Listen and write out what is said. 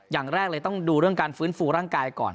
อย่างแรกเลยต้องดูเรื่องการฟื้นฟูร่างกายก่อน